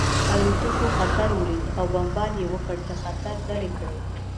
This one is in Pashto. الوتکو خطر ولید او بمبار یې وکړ چې خطر لرې کړي